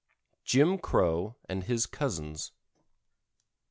JIM CROW AND HIS COUSINS.